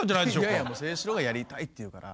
いやいや清史郎がやりたいって言うから。